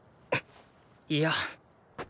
いや。